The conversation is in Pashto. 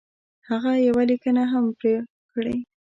هغه یوه لیکنه هم پر کړې.